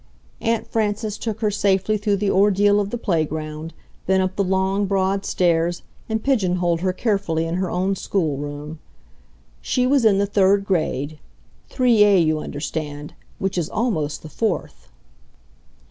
Aunt Frances took her safely through the ordeal of the playground, then up the long, broad stairs, and pigeonholed her carefully in her own schoolroom. She was in the third grade,—3A, you understand, which is almost the fourth.